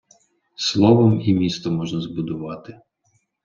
Словом і місто можна збудувати.